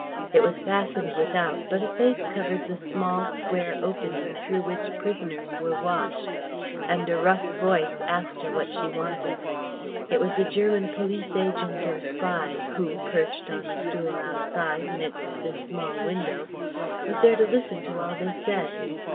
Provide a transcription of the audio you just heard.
It was fastened without, but a face covered the small, square opening through which prisoners were watched; and a rough voice asked her what she wanted. It was the German police agent or spy, who, perched on a stool outside, next this small window, was there to listen to all they said.